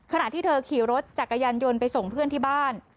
ขณะที่เธอขี่รถจักรยานยนต์ไปส่งเพื่อนที่บ้าน